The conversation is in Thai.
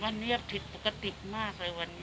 วันนี้ผิดปกติมากเลยวันนี้